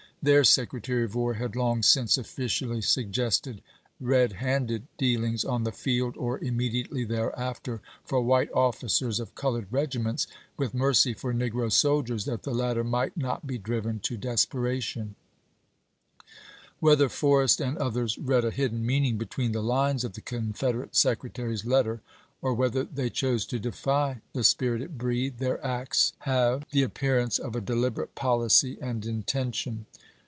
Their Secretary of War had long since officially suggested "red handed" dealings " on the field or immediately thereafter " for white officers of colored regiments, with mercy for negro soldiers, that the latter might not be driven to desperation. Whether Forrest and others read a hidden meaning between the lines of the Confederate Secretary's letter, or whether they chose to defy the spirit it breathed, their acts have |/ Moore, ' Rebellion Record." Vol. X., Doc uments, p. 724. UENKItAI N. K. I'OKKEST. RETALIATION 481 the appearance of a deliberate policy and inten chai .xxi. tion.